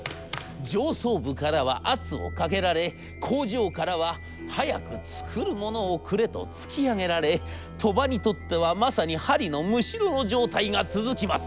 上層部からは圧をかけられ工場からは『早く作るものをくれ』と突き上げられ鳥羽にとってはまさに針のむしろの状態が続きます。